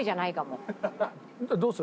どうする？